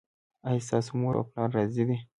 ایا ستاسو مور او پلار راضي دي؟